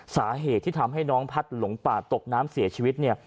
สาเหตุที่ทำให้น้องพัดหลงป่าตกน้ำเสียชีวิตเนี่ย